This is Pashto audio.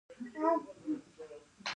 دلته د یو توکي ارزښت د بل په مرسته بیان شوی